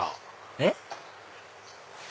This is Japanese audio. えっ？